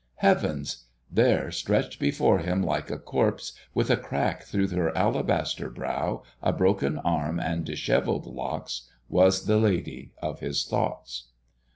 Heavens! There, stretched before him like a corpse, with a crack through her alabaster brow, a broken arm, and dishevelled locks, was the lady of his thoughts.